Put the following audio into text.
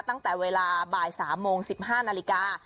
ตั้งแต่เวลาบ่าย๓โมง๑๕นาฬิกา